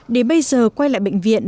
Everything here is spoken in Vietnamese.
để bây giờ quay lại bệnh viện